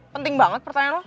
penting banget pertanyaan lo